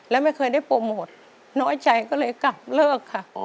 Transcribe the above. และไม่เคยได้โปรโมทน้อยใจก็เลยกลับเลิกค่ะ